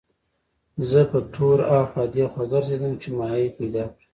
زه په تور اخوا دېخوا ګرځېدم چې ماهي پیدا کړم.